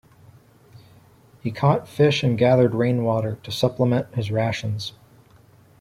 He caught fish and gathered rainwater to supplement his rations.